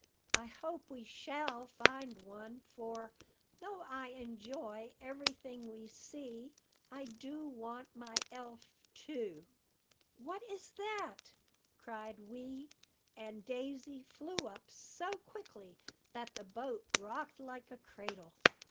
I hope we shall find one; for, though I enjoy every thing we see, I do want my elf too." "What is that?" cried Wee; and Daisy flew up so quickly that the boat rocked like a cradle.